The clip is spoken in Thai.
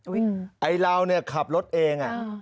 ไอ้เราเนี่ยขับรถเอง